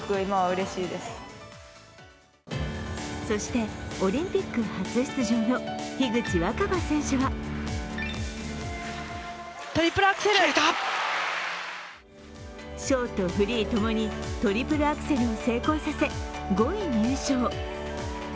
そしてオリンピック初出場の樋口新葉選手はショート、フリー共にトリプルアクセルを成功させ５位入賞。